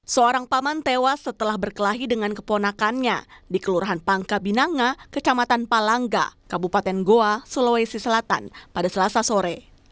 seorang paman tewas setelah berkelahi dengan keponakannya di kelurahan pangka binanga kecamatan palangga kabupaten goa sulawesi selatan pada selasa sore